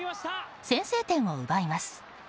先制点を奪います。